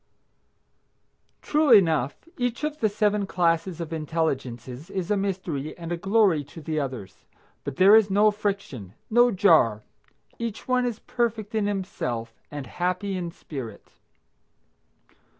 True enough, each of the seven classes of intelligences is a mystery and a glory to the others. But there is no friction, no jar. Each one is perfect in himself and happy in spirit.